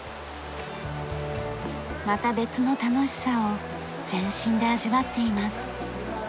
また別の楽しさを全身で味わっています。